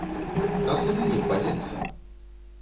А куды ім падзецца!